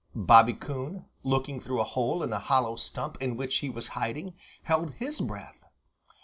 Bobby Coon, looking through a hole in a hollow stump in which he was hiding, held his breath.